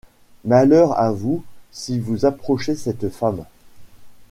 Malheur à vous si vous approchez cette femme!